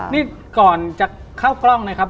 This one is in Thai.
นี่ก่อนจะเข้ากล้องนะครับ